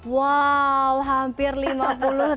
wow hampir lima puluh tahun